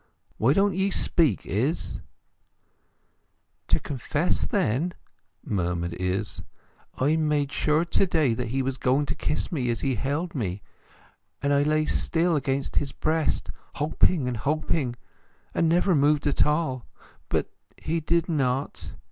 Why don't ye speak, Izz?" "To confess, then," murmured Izz, "I made sure to day that he was going to kiss me as he held me; and I lay still against his breast, hoping and hoping, and never moved at all. But he did not.